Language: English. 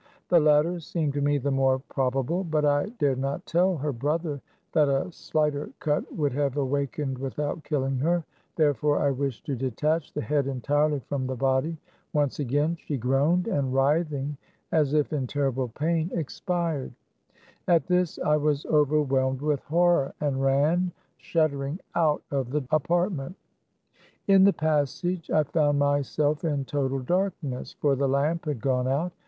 The latter seemed to me the more prob able. But I dared not tell her brother that a slighter cut would have awakened without killing her ; therefore, I wished to detach the head entirely from the body. Once again she groaned, and, writhing, as if in terrible pain, ex pired. At this I was overwhelmed with horror, and ran shuddering out of the apartment. In the passage, I found myself in total dark ness ; for the lamp had gone out.